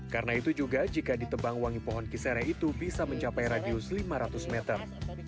karena itu juga jika ditebang wangi pohon kisere itu bisa mencapai radius lima ratus meter